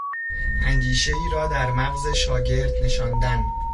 اندیشهای را در مغز شاگرد نشاندن